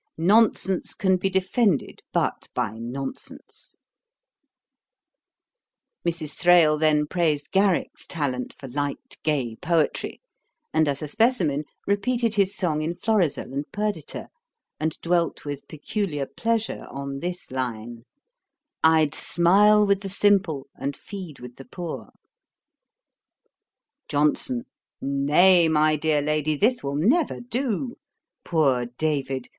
Nonsense can be defended but by nonsense.' Mrs. Thrale then praised Garrick's talent for light gay poetry; and, as a specimen, repeated his song in Florizel and Perdita, and dwelt with peculiar pleasure on this line: 'I'd smile with the simple, and feed with the poor.' JOHNSON. 'Nay, my dear Lady, this will never do. Poor David!